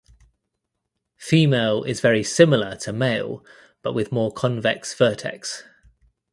Female is very similar to male but with more convex vertex.